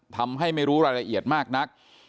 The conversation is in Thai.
ทำให้ไม่รู้รายละเอียดมากนัก